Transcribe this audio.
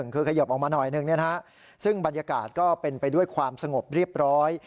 คือขยบออกมาหน่อยหนึ่งซึ่งบรรยากาศก็เป็นไปด้วยความสงบเรียบร้อย